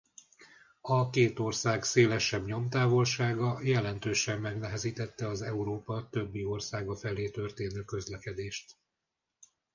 A két ország szélesebb nyomtávolsága jelentősen megnehezítette az Európa többi országa felé történő közlekedést.